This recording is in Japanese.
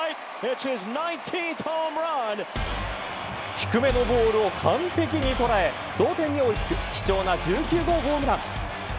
低めのボールを完璧にとらえ同点に追い付く貴重な１９号ホームラン。